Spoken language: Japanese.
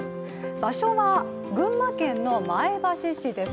場所は群馬県の前橋市です。